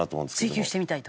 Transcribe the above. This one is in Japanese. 追求してみたいと？